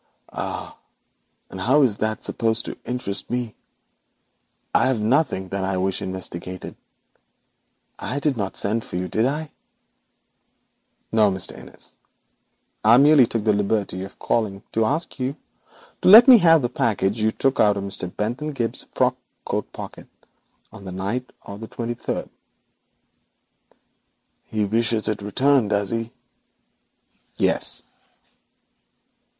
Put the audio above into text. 'Ah! And how is that supposed to interest me? There is nothing that I wish investigated. I did not send for you, did I?' 'No, Mr. Innis, I merely took the liberty of calling to ask you to let me have the package you took from Mr. Bentham Gibbes's frock coat pocket on the night of the twenty third.' 'He wishes it returned, does he?' 'Yes.'